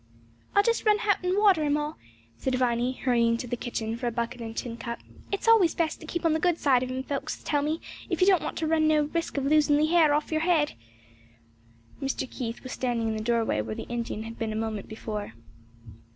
"I'll just run hout and water 'em hall," said Viny, hurrying into the kitchen for a bucket and tin cup, "it's always best to keep on the good side of 'em, folks tell me, if you don't want to run no risk of losin' the 'air hoff yer 'ead." Mr. Keith was standing in the doorway where the Indian had been a moment before.